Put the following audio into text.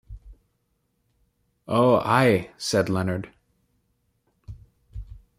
“Oh, ay,” said Leonard.